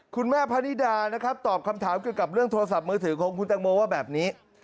พระนิดานะครับตอบคำถามเกี่ยวกับเรื่องโทรศัพท์มือถือของคุณตังโมว่าแบบนี้